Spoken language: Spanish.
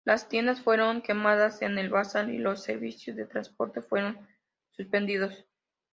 Las tiendas fueron quemadas en el bazar y los servicios de transporte fueron suspendidos.